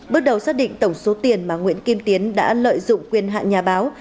bước đầu xác định tổng số tiền mà nguyễn kim tiến đã lợi dụng quyền hạ nhà báo